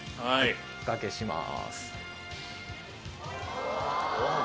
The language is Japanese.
おかけします。